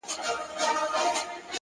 هره هڅه د بریا پر لور ګام دی.!